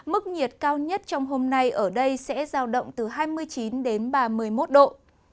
mức nhiệt cao nhất trong hôm nay ở đây sẽ giao động từ hai mươi chín đến ba mươi một độ